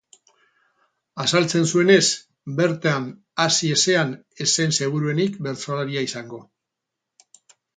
Azaltzen zuenez, bertan hazi ezean ez zen seguruenik bertsolaria izango.